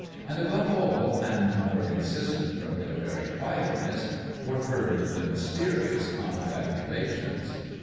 And above all, and more insistent from their very quietness, were heard the mysterious confabulations.